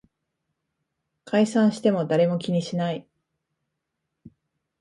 解散しても誰も気にしない